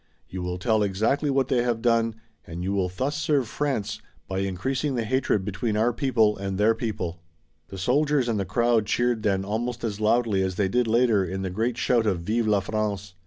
You will tell exactly what they have done and you will thus serve France by increasing the hatred between our people and their people." The soldiers and the crowd cheered then almost as loudly as they did later in the great shout of "Vive la France."